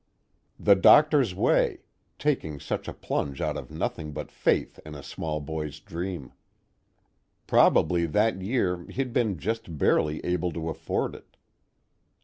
The Doctor's way, taking such a plunge out of nothing but faith in a small boy's dream. Probably that year he'd been just barely able to afford it.